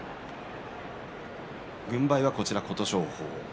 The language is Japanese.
軍配は琴勝峰。